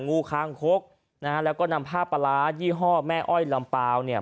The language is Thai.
งูคางคกนะฮะแล้วก็นำผ้าปลาร้ายี่ห้อแม่อ้อยลำเปล่าเนี่ย